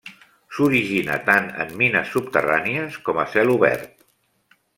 S'origina tant en mines subterrànies com a cel obert.